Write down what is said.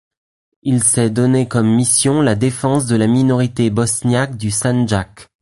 Il s'est donné comme mission la défense de la minorité bosniaque du Sandžak.